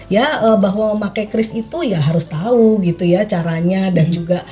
ya bahwa memakai kris itu ya harus tahu gitu ya caranya dan juga